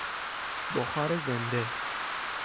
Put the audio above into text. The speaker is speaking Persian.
بخار زنده